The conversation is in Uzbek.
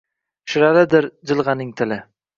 Shiralidir jilgʼaning tili.